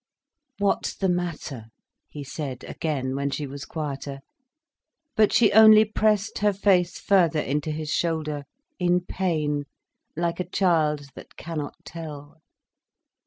"What's the matter?" he said again, when she was quieter. But she only pressed her face further into his shoulder, in pain, like a child that cannot tell.